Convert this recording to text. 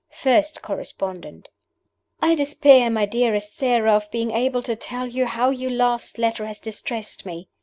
FIRST CORRESPONDENT: "I despair, my dearest Sara, of being able to tell you how your last letter has distressed me.